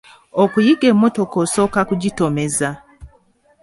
Okuyiga emmotoka osooka kugitomeza.